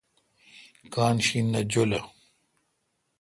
کان شی نہ جولہ۔